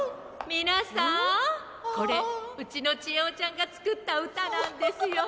みなさんこれうちのちえおちゃんがつくったうたなんですよ。